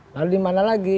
lalu di mana lagi